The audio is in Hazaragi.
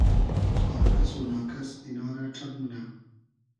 آر کئس و نا کئس اینا رۂ ݖئب مونۂ